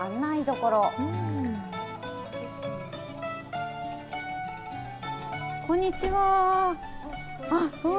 こんにちは。